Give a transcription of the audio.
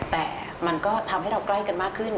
แต่มันก็ทำให้เราใกล้กันมากขึ้น